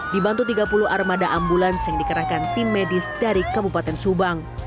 dibantu tiga puluh armada ambulans yang dikerahkan tim medis dari kabupaten subang